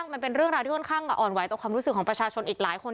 มันเป็นเรื่องราวที่ค่อนข้างอ่อนไหวต่อความรู้สึกของประชาชนอีกหลายคน